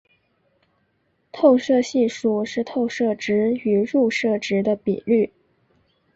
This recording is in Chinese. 透射系数是透射值与入射值的比率。